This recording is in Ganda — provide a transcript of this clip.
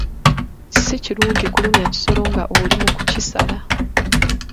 Si kirungi kulumya kisolo nga oli mu ku kisala.